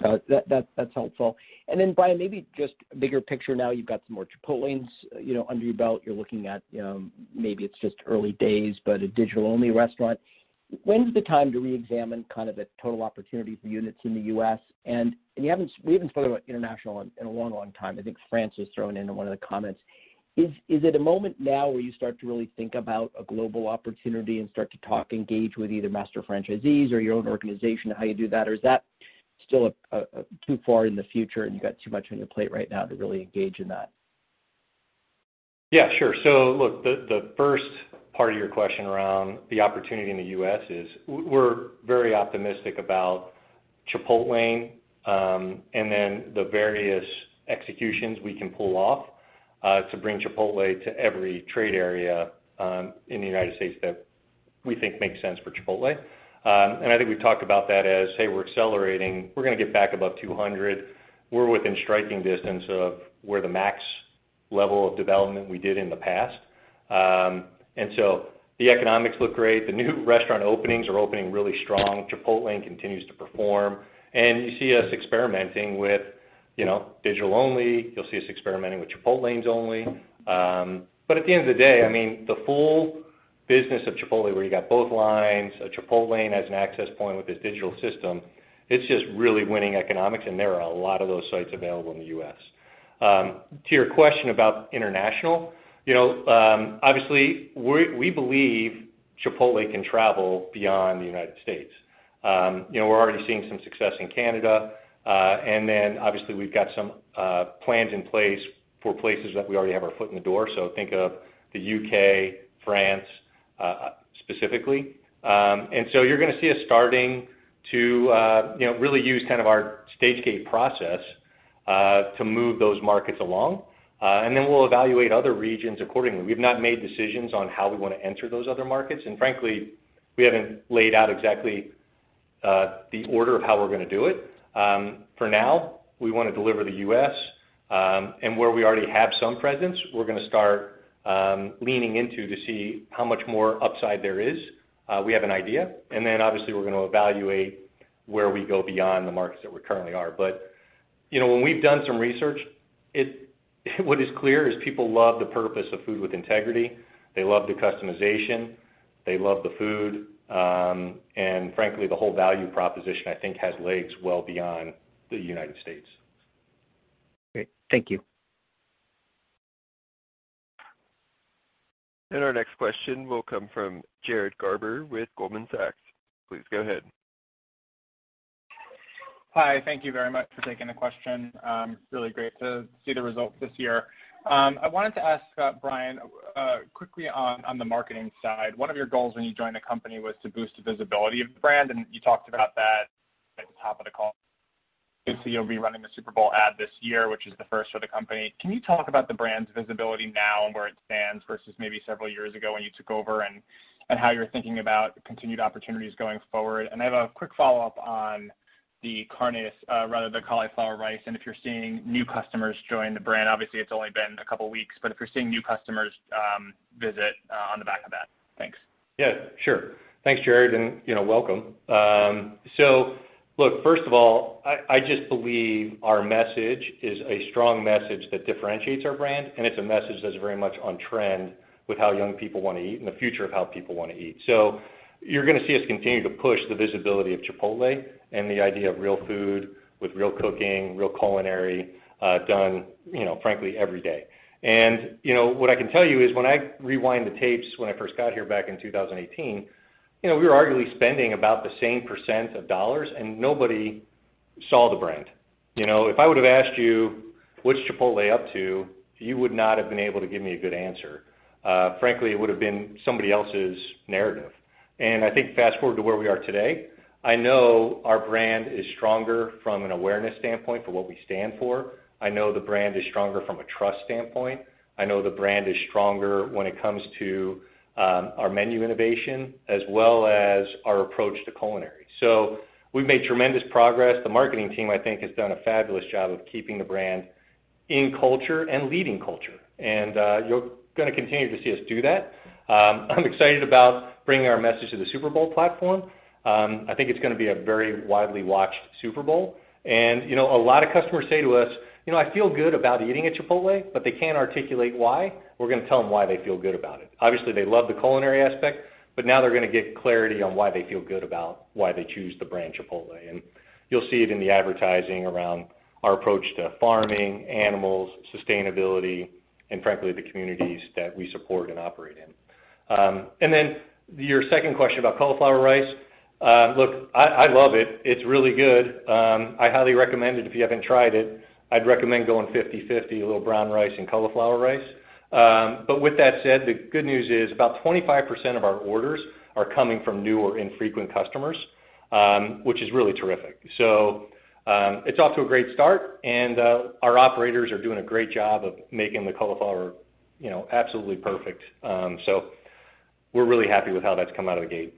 That's helpful. Then Brian, maybe just bigger picture now. You've got some more Chipotlanes under your belt. You're looking at, maybe it's just early days, but a digital-only restaurant. When is the time to reexamine kind of the total opportunity for units in the U.S.? We haven't spoken about international in a long, long time. I think France was thrown into one of the comments. Is it a moment now where you start to really think about a global opportunity and start to talk, engage with either master franchisees or your own organization on how you do that? Is that still too far in the future and you've got too much on your plate right now to really engage in that? Yeah, sure. Look, the first part of your question around the opportunity in the U.S. is, we're very optimistic about Chipotlane, and then the various executions we can pull off, to bring Chipotle to every trade area in the United States that we think makes sense for Chipotle. I think we've talked about that as, hey, we're accelerating. We're going to get back above 200. We're within striking distance of where the max level of development we did in the past. The economics look great. The new restaurant openings are opening really strong. Chipotlane continues to perform. You see us experimenting with digital only. You'll see us experimenting with Chipotlanes only. At the end of the day, the full business of Chipotle, where you got both lines, a Chipotlane as an access point with this digital system, it's just really winning economics, and there are a lot of those sites available in the U.S. To your question about international, obviously, we believe Chipotle can travel beyond the United States. We're already seeing some success in Canada. Obviously we've got some plans in place for places that we already have our foot in the door. Think of the U.K., France, specifically. You're going to see us starting to really use our stage-gate process to move those markets along. We'll evaluate other regions accordingly. We've not made decisions on how we want to enter those other markets, and frankly, we haven't laid out exactly the order of how we're going to do it. For now, we want to deliver the U.S. Where we already have some presence, we're going to start leaning into to see how much more upside there is. We have an idea. Then obviously we're going to evaluate where we go beyond the markets that we currently are. When we've done some research, what is clear is people love the purpose of food with integrity. They love the customization, they love the food. Frankly, the whole value proposition, I think, has legs well beyond the United States. Great. Thank you. Our next question will come from Jared Garber with Goldman Sachs. Please go ahead. Hi. Thank you very much for taking the question. Really great to see the results this year. I wanted to ask Brian, quickly on the marketing side, one of your goals when you joined the company was to boost the visibility of the brand, and you talked about that at the top of the call. Obviously, you'll be running the Super Bowl ad this year, which is the first for the company. Can you talk about the brand's visibility now and where it stands versus maybe several years ago when you took over, and how you're thinking about continued opportunities going forward? I have a quick follow-up on the carnitas, rather the Cauliflower Rice, and if you're seeing new customers join the brand. Obviously, it's only been a couple of weeks, but if you're seeing new customers visit on the back of that. Thanks. Yeah, sure. Thanks, Jared, and welcome. Look, first of all, I just believe our message is a strong message that differentiates our brand, and it's a message that's very much on trend with how young people want to eat and the future of how people want to eat. You're going to see us continue to push the visibility of Chipotle, and the idea of real food with real cooking, real culinary, done, frankly, every day. What I can tell you is when I rewind the tapes when I first got here back in 2018, we were arguably spending about the same percent of dollars, and nobody saw the brand. If I would've asked you, "What's Chipotle up to?" You would not have been able to give me a good answer. Frankly, it would've been somebody else's narrative. I think fast-forward to where we are today, I know our brand is stronger from an awareness standpoint for what we stand for. I know the brand is stronger from a trust standpoint. I know the brand is stronger when it comes to our menu innovation as well as our approach to culinary. We've made tremendous progress. The marketing team, I think, has done a fabulous job of keeping the brand in culture and leading culture. You're going to continue to see us do that. I'm excited about bringing our message to the Super Bowl platform. I think it's going to be a very widely watched Super Bowl. A lot of customers say to us, "I feel good about eating at Chipotle," but they can't articulate why. We're going to tell them why they feel good about it. Obviously, they love the culinary aspect, but now they're going to get clarity on why they feel good about why they choose the brand Chipotle. You'll see it in the advertising around our approach to farming, animals, sustainability, and frankly, the communities that we support and operate in. Then, your second question about Cauliflower Rice. Look, I love it. It's really good. I highly recommend it if you haven't tried it. I'd recommend going 50/50, a little brown rice and cauliflower rice. With that said, the good news is about 25% of our orders are coming from new or infrequent customers, which is really terrific. It's off to a great start, and our operators are doing a great job of making the cauliflower absolutely perfect. We're really happy with how that's come out of the gate.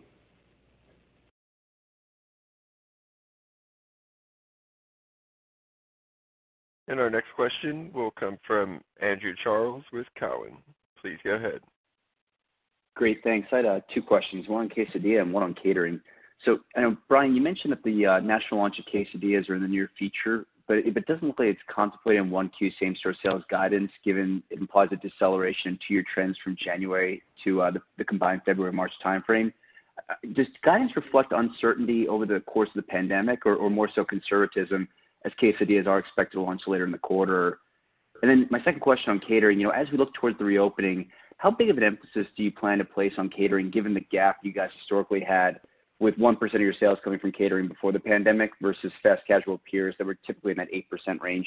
Our next question will come from Andrew Charles with Cowen. Please go ahead. Great. Thanks. I had two questions, one on quesadillas and one on catering. I know, Brian, you mentioned that the national launch of quesadillas are in the near future, but it doesn't look like it's contemplated in 1Q same-store sales guidance, given it implies a deceleration to your trends from January to the combined February-March timeframe. Does guidance reflect uncertainty over the course of the pandemic or more so conservatism as quesadillas are expected to launch later in the quarter? My second question on catering, as we look towards the reopening, how big of an emphasis do you plan to place on catering, given the gap you guys historically had with 1% of your sales coming from catering before the pandemic, versus fast casual peers that were typically in that 8% range?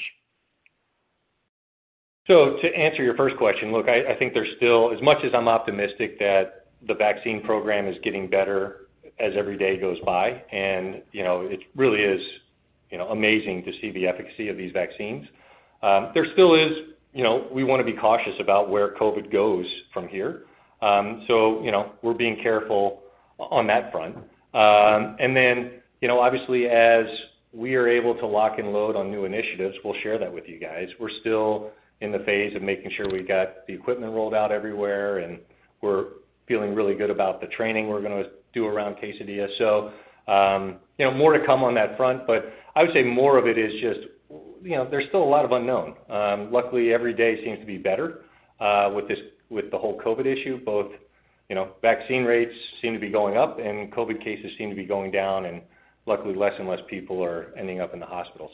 To answer your first question, look, I think there's still, as much as I'm optimistic that the vaccine program is getting better as every day goes by, and it really is amazing to see the efficacy of these vaccines. There still is, we want to be cautious about where COVID goes from here. We're being careful on that front. Then, obviously as we are able to lock and load on new initiatives, we'll share that with you guys. We're still in the phase of making sure we've got the equipment rolled out everywhere, and we're feeling really good about the training we're going to do around quesadillas. More to come on that front, but I would say more of it is just, there's still a lot of unknown. Luckily, every day seems to be better with the whole COVID issue, both vaccine rates seem to be going up and COVID cases seem to be going down, and luckily less and less people are ending up in the hospital.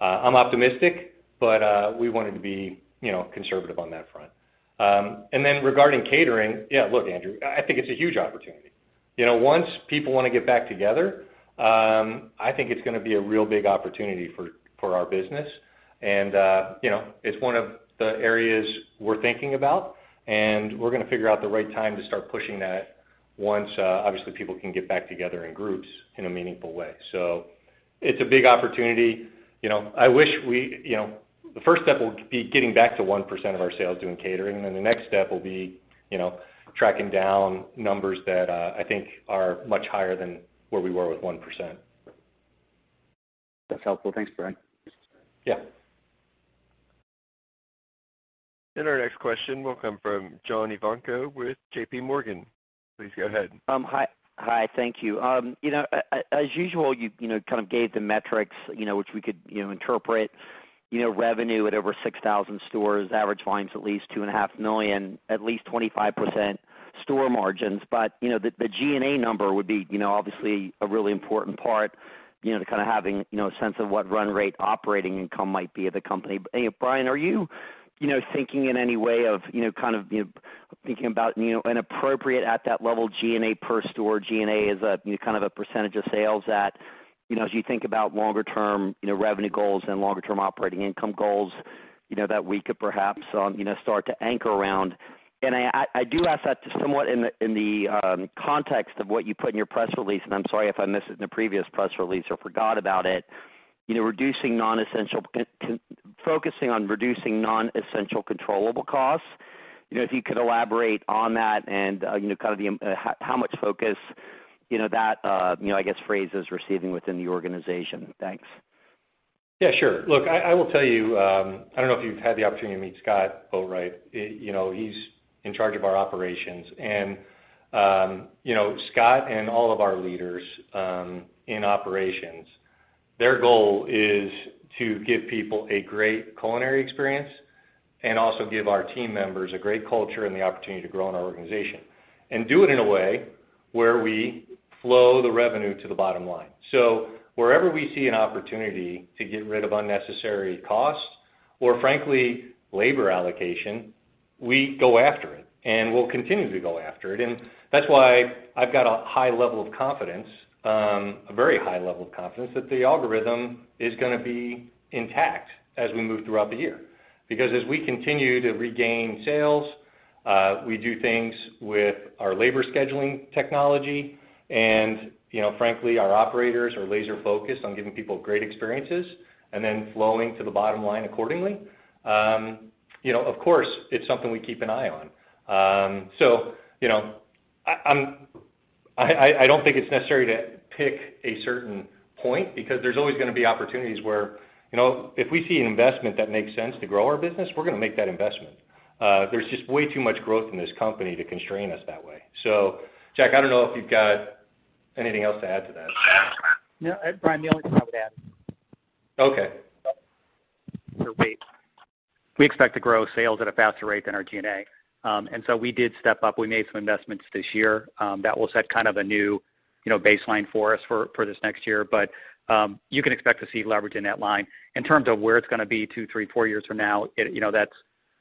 I'm optimistic, but we wanted to be conservative on that front. Regarding catering, yeah, look, Andrew, I think it's a huge opportunity. Once people want to get back together, I think it's going to be a real big opportunity for our business. It's one of the areas we're thinking about, and we're going to figure out the right time to start pushing that once obviously people can get back together in groups in a meaningful way. It's a big opportunity. The first step will be getting back to 1% of our sales doing catering, and then the next step will be tracking down numbers that I think are much higher than where we were with 1%. That's helpful. Thanks, Brian. Yeah. Our next question will come from John Ivankoe with JPMorgan. Please go ahead. Hi. Thank you. As usual, you kind of gave the metrics which we could interpret, revenue at over 6,000 stores, average lines at least 2.5 million, at least 25% store margins. The G&A number would be obviously a really important part to kind of having a sense of what run rate operating income might be of the company. Brian, are you thinking in any way of thinking about an appropriate, at that level, G&A per store, G&A as a kind of a percentage of sales that as you think about longer term revenue goals and longer term operating income goals, that we could perhaps start to anchor around. I do ask that somewhat in the context of what you put in your press release, and I'm sorry if I missed it in a previous press release or forgot about it. Focusing on reducing non-essential controllable costs. If you could elaborate on that and kind of how much focus that phrase is receiving within the organization. Thanks. Sure. Look, I will tell you, I don't know if you've had the opportunity to meet Scott Boatwright. He's in charge of our operations, and Scott and all of our leaders in operations, their goal is to give people a great culinary experience and also give our team members a great culture and the opportunity to grow in our organization. Do it in a way where we flow the revenue to the bottom line. Wherever we see an opportunity to get rid of unnecessary costs, or frankly, labor allocation, we go after it, and we'll continue to go after it. That's why I've got a high level of confidence, a very high level of confidence, that the algorithm is going to be intact as we move throughout the year. As we continue to regain sales, we do things with our labor scheduling technology, and frankly, our operators are laser-focused on giving people great experiences and then flowing to the bottom line accordingly. Of course, it's something we keep an eye on. I don't think it's necessary to pick a certain point because there's always going to be opportunities where if we see an investment that makes sense to grow our business, we're going to make that investment. There's just way too much growth in this company to constrain us that way. Jack, I don't know if you've got anything else to add to that. No. Brian, the only thing I would add. Okay. We expect to grow sales at a faster rate than our G&A. We did step up. We made some investments this year that will set kind of a new baseline for us for this next year. You can expect to see leverage in that line. In terms of where it's going to be two, three, four years from now,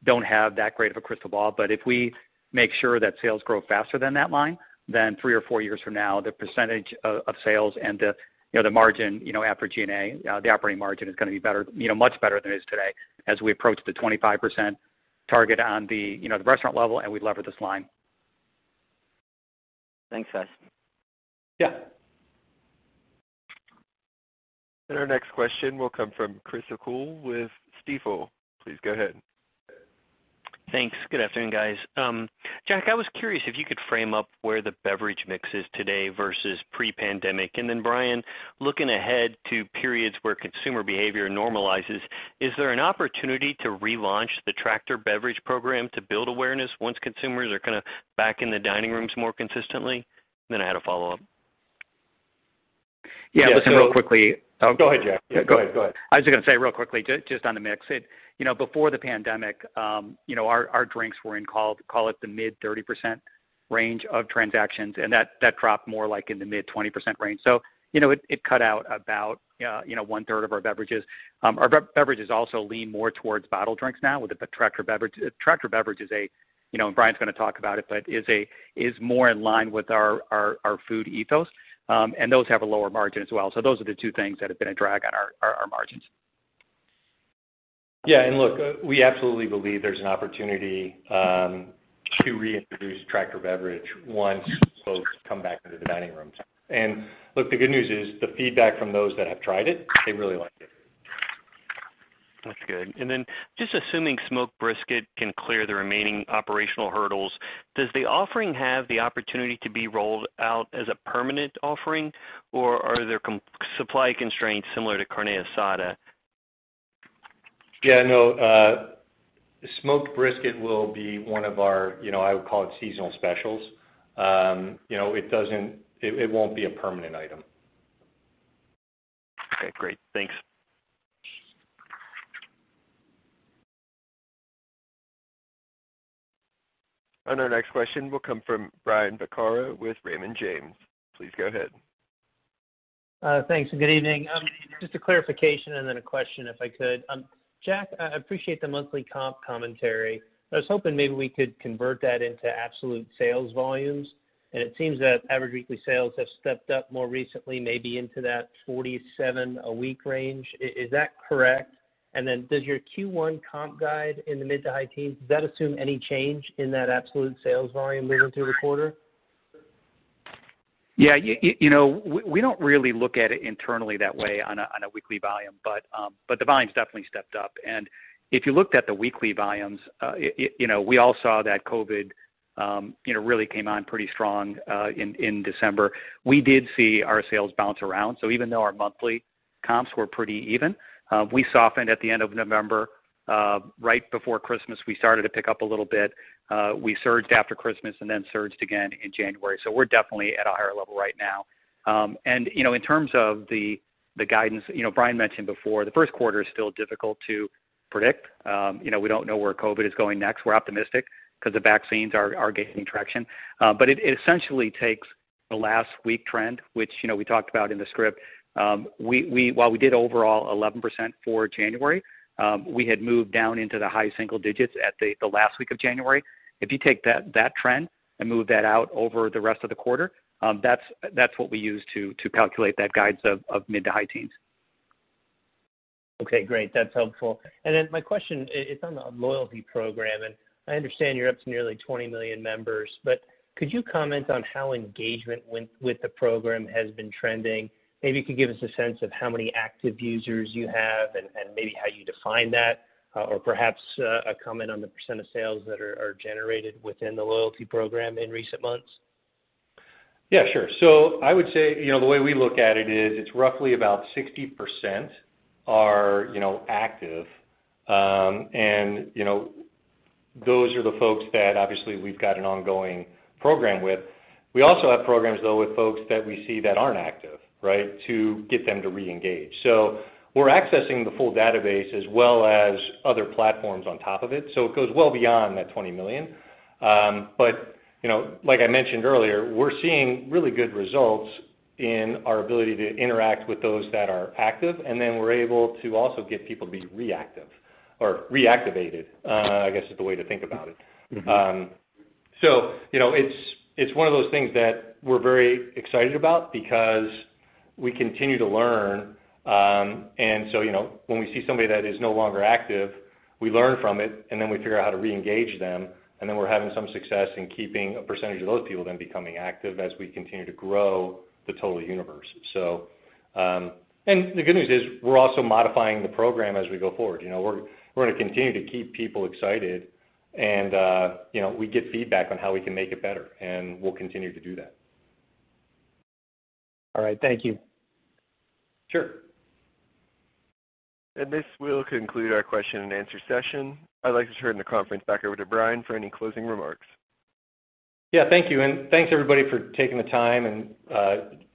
don't have that great of a crystal ball, if we make sure that sales grow faster than that line, then three or four years from now, the percentage of sales and the margin after G&A, the operating margin is going to be much better than it is today as we approach the 25% target on the restaurant level, and we lever this line. Thanks, guys. Yeah. Our next question will come from Chris O'Cull with Stifel. Please go ahead. Thanks. Good afternoon, guys. Jack, I was curious if you could frame up where the beverage mix is today versus pre-pandemic. Brian, looking ahead to periods where consumer behavior normalizes, is there an opportunity to relaunch the Tractor Beverage program to build awareness once consumers are kind of back in the dining rooms more consistently? I had a follow-up. Yeah. Listen, real quickly. Go ahead, Jack. Yeah, go ahead. I was going to say real quickly, just on the mix, before the pandemic, our drinks were in, call it, the mid 30% range of transactions, and that dropped more like in the mid 20% range. It cut out about 1/3 of our beverages. Our beverages also lean more towards bottled drinks now with the Tractor Beverage. Tractor Beverage, Brian's going to talk about it, but is more in line with our food ethos. Those have a lower margin as well. Those are the two things that have been a drag on our margins. Yeah. Look, we absolutely believe there's an opportunity to reintroduce Tractor Beverage once folks come back into the dining rooms. Look, the good news is, the feedback from those that have tried it, they really like it. That's good. Just assuming smoked brisket can clear the remaining operational hurdles, does the offering have the opportunity to be rolled out as a permanent offering, or are there supply constraints similar to carne asada? Yeah, no. smoked brisket will be one of our, I would call it, seasonal specials. It won't be a permanent item. Okay, great. Thanks. Our next question will come from Brian Vaccaro with Raymond James. Please go ahead. Thanks. Good evening. Just a clarification and then a question, if I could. Jack, I appreciate the monthly comp commentary. I was hoping maybe we could convert that into absolute sales volumes. It seems that average weekly sales have stepped up more recently, maybe into that 47 a week range. Is that correct? Does your Q1 comp guide in the mid-to-high teens, does that assume any change in that absolute sales volume moving through the quarter? Yeah. We don't really look at it internally that way on a weekly volume. The volume's definitely stepped up. If you looked at the weekly volumes, we all saw that COVID really came on pretty strong in December. We did see our sales bounce around. Even though our monthly comps were pretty even, we softened at the end of November. Right before Christmas, we started to pick up a little bit. We surged after Christmas and then surged again in January. We're definitely at a higher level right now. In terms of the guidance, Brian mentioned before, the first quarter is still difficult to predict. We don't know where COVID is going next. We're optimistic because the vaccines are gaining traction. It essentially takes the last week trend, which we talked about in the script. While we did overall 11% for January, we had moved down into the high single digits at the last week of January. If you take that trend and move that out over the rest of the quarter, that is what we use to calculate that guidance of mid to high teens. Okay, great. That's helpful. My question is on the loyalty program, and I understand you're up to nearly 20 million members, but could you comment on how engagement with the program has been trending? Maybe you could give us a sense of how many active users you have and maybe how you define that, or perhaps a comment on the percent of sales that are generated within the loyalty program in recent months. Yeah, sure. I would say the way we look at it is it's roughly about 60% are active. Those are the folks that obviously we've got an ongoing program with. We also have programs, though, with folks that we see that aren't active, right, to get them to reengage. We're accessing the full database as well as other platforms on top of it. It goes well beyond that 20 million. Like I mentioned earlier, we're seeing really good results in our ability to interact with those that are active, and then we're able to also get people to be reactive or reactivated, I guess, is the way to think about it. It's one of those things that we're very excited about because we continue to learn. When we see somebody that is no longer active, we learn from it, and then we figure out how to reengage them. Then we're having some success in keeping a percentage of those people then becoming active as we continue to grow the total universe. The good news is, we're also modifying the program as we go forward. We're going to continue to keep people excited, and we get feedback on how we can make it better, and we'll continue to do that. All right. Thank you. Sure. This will conclude our question and answer session. I'd like to turn the conference back over to Brian for any closing remarks. Yeah, thank you. Thanks, everybody, for taking the time and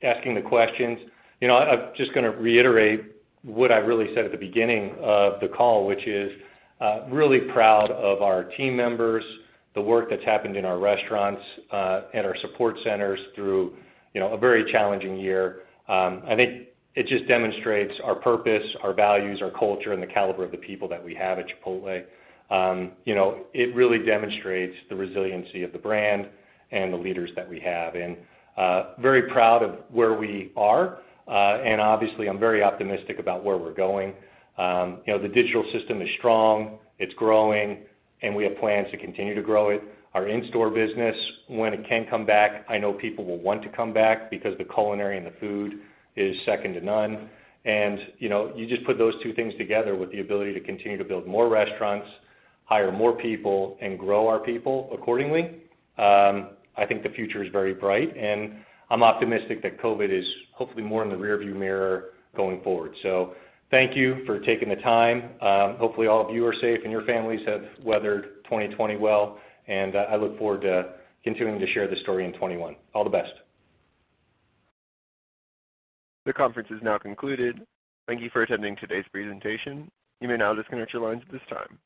asking the questions. I'm just going to reiterate what I really said at the beginning of the call, which is really proud of our team members, the work that's happened in our restaurants, and our support centers through a very challenging year. I think it just demonstrates our purpose, our values, our culture, and the caliber of the people that we have at Chipotle. It really demonstrates the resiliency of the brand and the leaders that we have. Very proud of where we are. Obviously, I'm very optimistic about where we're going. The digital system is strong, it's growing, and we have plans to continue to grow it. Our in-store business, when it can come back, I know people will want to come back because the culinary and the food is second to none. You just put those two things together with the ability to continue to build more restaurants, hire more people, and grow our people accordingly. I think the future is very bright, and I'm optimistic that COVID is hopefully more in the rearview mirror going forward. Thank you for taking the time. Hopefully, all of you are safe and your families have weathered 2020 well. I look forward to continuing to share this story in 2021. All the best. The conference is now concluded. Thank you for attending today's presentation. You may now disconnect your lines at this time.